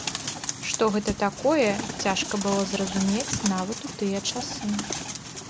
Што гэта такое, цяжка было зразумець нават у тыя часы.